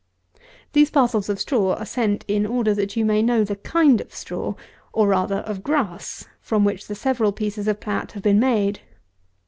These parcels of straw are sent in order that you may know the kind of straw, or rather, of grass, from which the several pieces of plat have been made.